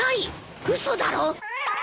嘘だろ。